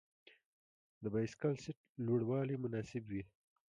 د بایسکل سیټ لوړوالی مناسب وي.